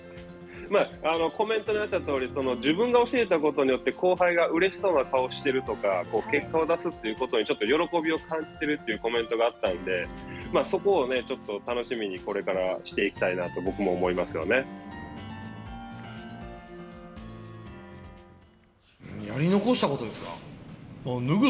コメントにあったとおり、自分が教えたことによって後輩がうれしそうな顔をしているとか、結果を出すということにちょっと喜びを感じてるというコメントがあったんで、そこをちょっと楽しみにこれからしていきたいなと、やり残したことですか。